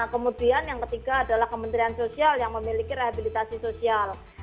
kemudian yang ketiga adalah kementerian sosial yang memiliki rehabilitasi sosial